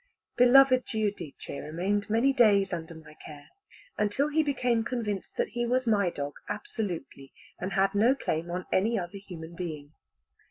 Beloved Giudice remained many days under my care, until he became convinced that he was my dog absolutely, and had no claim on any other human being.